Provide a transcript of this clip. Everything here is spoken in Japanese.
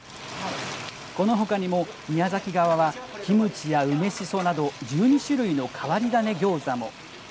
このほかにも宮崎側はキムチや梅しそなど１２種類の変わり種ギョーザも。